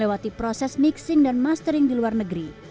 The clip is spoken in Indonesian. melewati proses mixing dan mastering di luar negeri